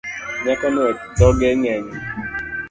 Nyakono dhoge ng’eny